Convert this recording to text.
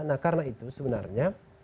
nah karena itu sebenarnya